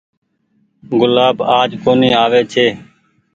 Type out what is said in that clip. گلآب آج ڪونيٚ آوي ڇي۔